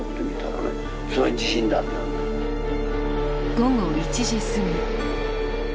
午後１時過ぎ。